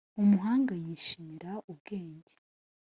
umuhanga yishimira ubwenge